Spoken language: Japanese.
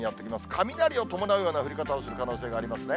雷を伴うような降り方をする可能性がありますね。